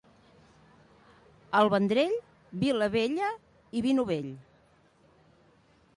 El Vendrell, vila vella i vi novell.